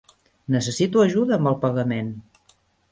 Necessito ajuda amb el pagament.